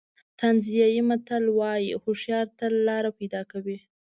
تانزانیایي متل وایي هوښیار تل لاره پیدا کوي.